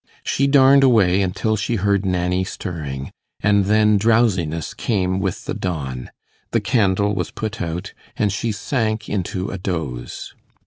She darned away until she heard Nanny stirring, and then drowsiness came with the dawn; the candle was put out, and she sank into a doze.